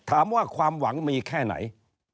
ถามว่าความหวังมีแค่ไหน